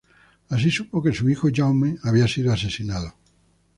Así supo que su hijo Jaume había sido asesinado.